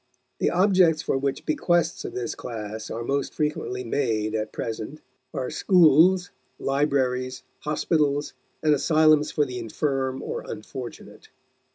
The objects for which bequests of this class are most frequently made at present are are schools, libraries, hospitals, and asylums for the infirm or unfortunate.